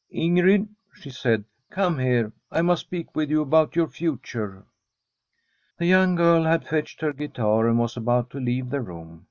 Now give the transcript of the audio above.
' Ingrid,' she said, ' come here ; I must speak with you about your future.' The young girl had fetched her guitar and was about to leave the room.